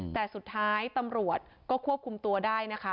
แต่สุดท้ายตำรวจก็ควบคุมตัวได้นะคะ